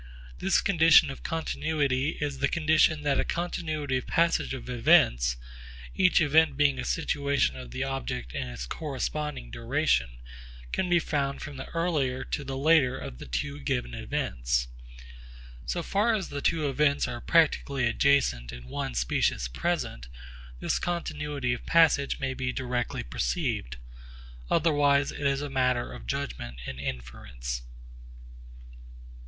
This condition of continuity is the condition that a continuity of passage of events, each event being a situation of the object in its corresponding duration, can be found from the earlier to the later of the two given events. So far as the two events are practically adjacent in one specious present, this continuity of passage may be directly perceived. Otherwise it is a matter of judgment and inference.